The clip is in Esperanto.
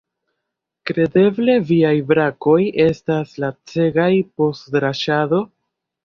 Kredeble viaj brakoj estas lacegaj post draŝado?